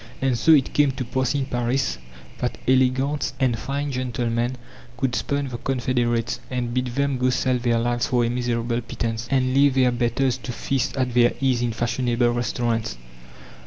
And so it came to pass in Paris that élégantes and fine gentlemen could spurn the confederates, and bid them go sell their lives for a miserable pittance, and leave their "betters" to feast at their ease in fashionable restaurants.